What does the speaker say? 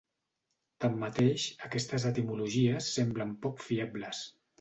Tanmateix, aquestes etimologies semblen poc fiables.